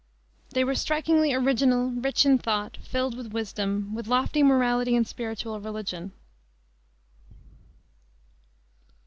They were strikingly original, rich in thought, filled with wisdom, with lofty morality and spiritual religion.